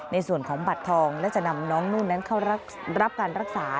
ในส่วนของบัตรทองและจะนำน้องนุ่นนั้นเข้ารับการรักษา